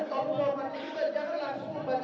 saya sudah menyampaikan ada masalahnya disuruh sudah terjadi